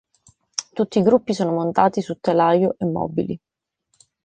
Tutti i gruppi sono montati sul telaio e mobili.